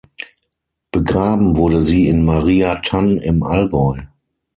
Begraben wurde sie in Maria Thann im Allgäu.